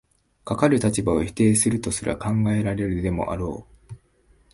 かかる立場を否定するとすら考えられるでもあろう。